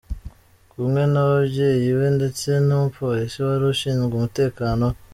kumwe nababyeyi be ndetse numupolisi wari ushinzwe umutekano we.